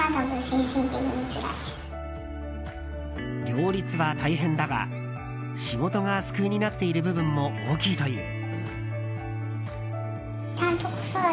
両立は大変だが仕事が救いになっている部分も大きいという。